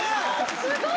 すごい！